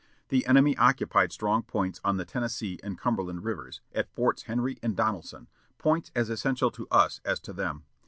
The enemy occupied strong points on the Tennessee and Cumberland rivers, at Forts Henry and Donelson, points as essential to us as to them.